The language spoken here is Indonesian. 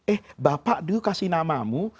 eh bapak dulu kasih namamu